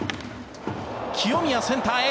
清宮、センターへ。